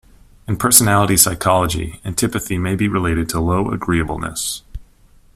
In personality psychology, antipathy may be related to low agreeableness.